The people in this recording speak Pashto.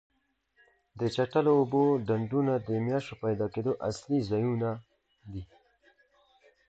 د چټلو اوبو ډنډونه د ماشو د پیدا کېدو اصلي ځایونه دي.